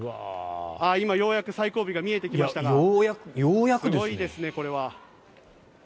今、ようやく最後尾が見えてきましたがすごいですね、これは。